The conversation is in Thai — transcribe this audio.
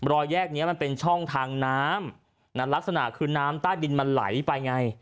รอยแยกนี้มันเป็นช่องทางน้ำลักษณะคือน้ำใต้ดินมันไหลไปไง